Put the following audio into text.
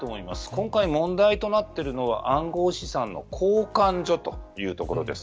今回問題となっているのは暗号資産の交換所というところです。